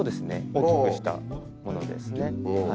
大きくしたものですね。